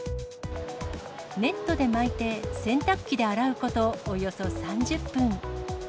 ネットで巻いて、洗濯機で洗うことおよそ３０分。